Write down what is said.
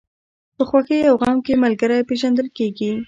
په خوښۍ او غم کې ملګری پېژندل کېږي.